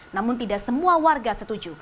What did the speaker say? namun tidak semua warga setuju